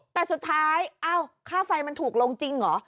แต่สุดท้ายเอ้าค่าไฟมันถูกลงจริงเหรอ